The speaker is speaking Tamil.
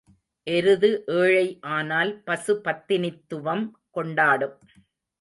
எருது ஏழை ஆனால் பசு பத்தினித்துவம் கொண்டாடும்.